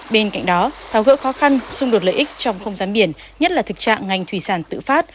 bên cạnh đó tháo gỡ khó khăn xung đột lợi ích trong không gian biển nhất là thực trạng ngành thủy sản tự phát